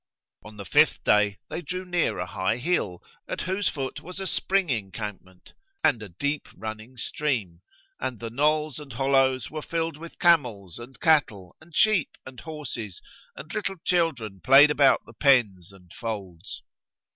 On the fifth day they drew near a high hill, at whose foot was a spring encampment[FN#96] and a deep running stream; and the knolls and hollows were filled with camels and cattle and sheep and horses, and little children played about the pens and folds.